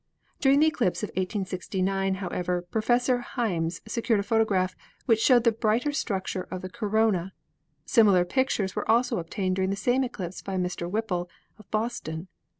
"During the eclipse of 1869, however, Professor Himes secured a photograph which showed the brighter structure of the corona. Similar pictures were also obtained during the same eclipse by Mr. Whipple, of Boston.